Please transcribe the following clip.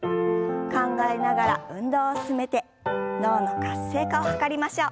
考えながら運動を進めて脳の活性化を図りましょう。